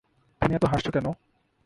তুমি এত হাসছো কেন?